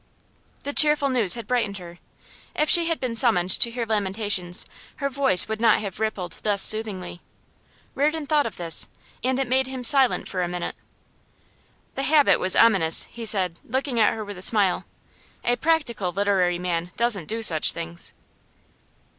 The cheerful news had brightened her. If she had been summoned to hear lamentations her voice would not have rippled thus soothingly. Reardon thought of this, and it made him silent for a minute. 'The habit was ominous,' he said, looking at her with an uncertain smile. 'A practical literary man doesn't do such things.